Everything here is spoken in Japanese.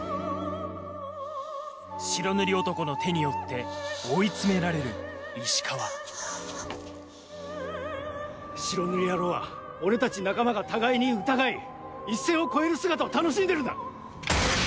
白塗り男の手によって追い詰められる石川白塗り野郎は俺たち仲間が互いに疑い一線を越える姿を楽しんでるんだ。